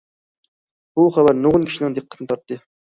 بۇ خەۋەر نۇرغۇن كىشىنىڭ دىققىتىنى تارتتى.